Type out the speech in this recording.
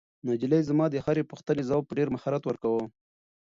نجلۍ زما د هرې پوښتنې ځواب په ډېر مهارت ورکاوه.